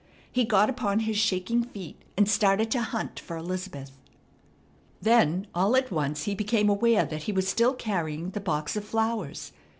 He got upon his shaking feet, and started to hunt for Elizabeth. Then all at once he became aware that he was still carrying the box of flowers.